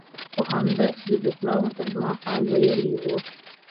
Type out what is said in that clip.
خو همدا چې ذبيح الله ورته زما حال ويلى و.